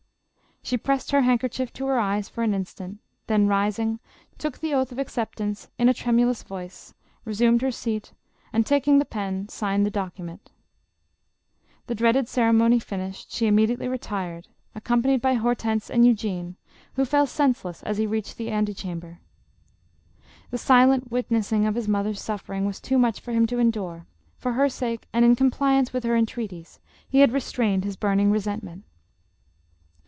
She pressed her handkerchief to her eyes for an instant, then rising, took the oath of acceptance in a tremulous voice, resumed her seat, and, taking the pen, signed the document The dreaded ceremony finished, she immediately retired, accompanied by Hortense and Eugene, who fell senseless as he reached the ante chamber. The silent witnessing of his moth er's suffering was too much for him to endure ; for her sake and in compliance with her entreaties, he had re strained his burning resentment.